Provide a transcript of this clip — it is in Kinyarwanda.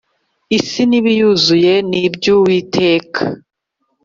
isi n'ibiyuzuye n'iby'uwiteka